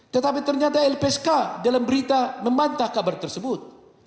tetapi ternyata lpsk dalam berita membantah kabar tersebut